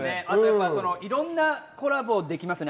いろんなコラボできますよね。